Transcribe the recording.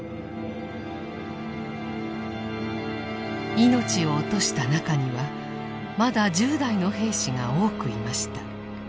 命を落とした中にはまだ１０代の兵士が多くいました。